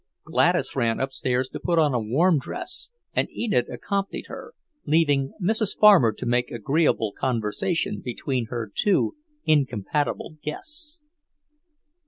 Gladys ran upstairs to put on a warm dress, and Enid accompanied her, leaving Mrs. Farmer to make agreeable conversation between her two incompatible guests.